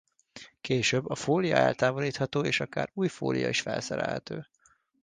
Később a fólia eltávolítható és akár új fólia is felszerelhető.